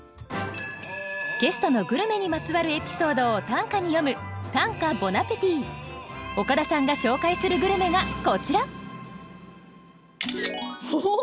ゲストのグルメにまつわるエピソードを短歌に詠む岡田さんが紹介するグルメがこちらおおっ！